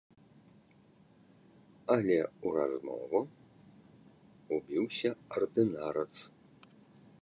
Але ў размову ўбіўся ардынарац.